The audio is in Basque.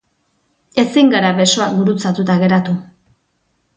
Ezin gara besoak gurutzatuta geratu.